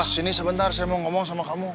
sini sebentar saya mau ngomong sama kamu